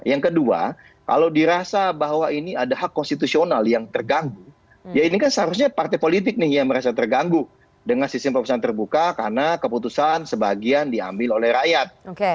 yang kedua kalau dirasa bahwa ini ada hak konstitusional yang terganggu ya ini kan seharusnya partai politik nih yang merasa terganggu dengan sistem pemerintahan terbuka karena keputusan sebagian diambil oleh rakyat